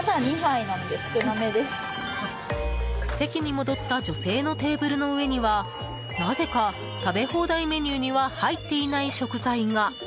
席に戻った女性のテーブルの上にはなぜか食べ放題メニューには入っていない食材が。